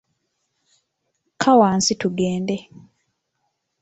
Kka wansi tugende.